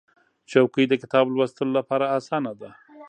چوکۍ د کتاب لوستلو لپاره اسانه ده.